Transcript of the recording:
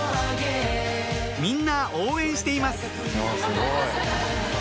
みんな応援しています